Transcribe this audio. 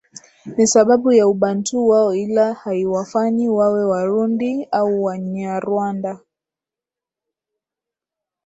Ni sababu ya ubantu wao ila haiwafanyi wawe warundi au wanyarwanda